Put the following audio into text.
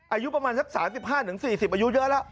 อายุประมาณสัก๓๕๔๐อายุเยอะแล้ว